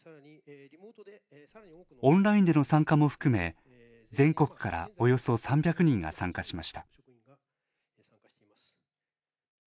オンラインでの参加も含め全国からおよそ３００人が参加しました。